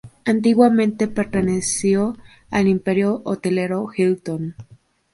Antiguamente perteneció al imperio hotelero Hilton.